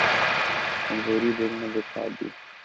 کمزوری دل نے دکھا دی۔